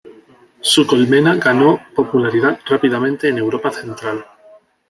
Su colmena ganó popularidad rápidamente en Europa Central.